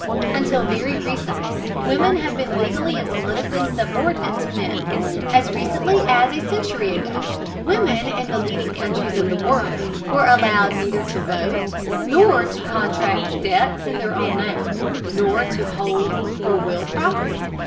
Until very recently women have been legally and politically subordinate to men. As recently as a century ago women in the leading countries of the world were allowed neither to vote, nor to contract debts in their own name, nor to hold or will property.